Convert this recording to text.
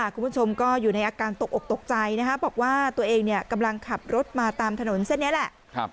คุณผู้ชมก็อยู่ในอาการตกอกตกใจบอกว่าตัวเองกำลังขับรถมาตามถนนเส้นนี้แหละ